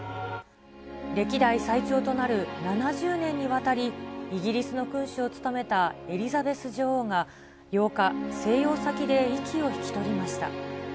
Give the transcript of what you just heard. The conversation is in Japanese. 歴代最長となる７０年にわたり、イギリスの君主を務めたエリザベス女王が８日、静養先で息を引き取りました。